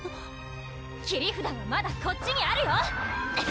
・切り札はまだこっちにあるよ！